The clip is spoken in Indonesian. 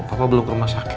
papa belum ke rumah sakit